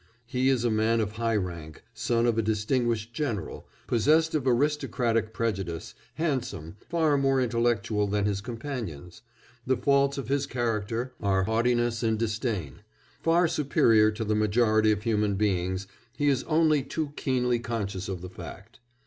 He is a man of high rank, son of a distinguished general, possessed of aristocratic prejudice, handsome, far more intellectual than his companions; the faults of his character are haughtiness and disdain; far superior to the majority of human beings, he is only too keenly conscious of the fact.